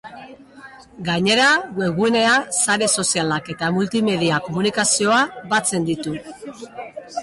Gainera, webgunea, sare sozialak eta multimedia komunikazioa batzen ditu.